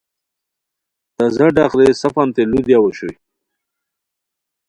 تازہ ڈق رے سفانتے ُلو دیاؤ اوشوئے